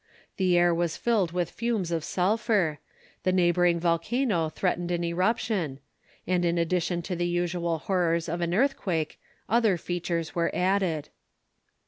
The air was filled with fumes of sulphur; the neighboring volcano threatened an eruption; and in addition to the usual horrors of an earthquake, other features were added.